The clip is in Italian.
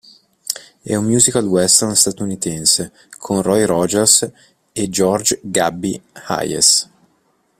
È un musical western statunitense con Roy Rogers e George 'Gabby' Hayes.